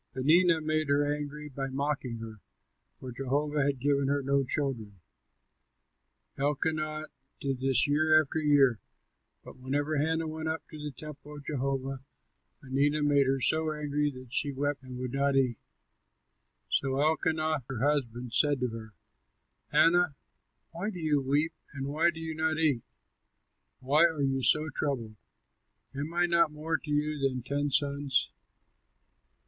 Peninnah made her angry by mocking her, for Jehovah had given her no children. Elkanah did this year after year; but whenever Hannah went up to the temple of Jehovah, Peninnah made her so angry that she wept and would not eat. So Elkanah her husband said to her, "Hannah, why do you weep and why do you not eat? Why are you so troubled? Am I not more to you than ten sons?"